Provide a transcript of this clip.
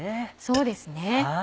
そうですね。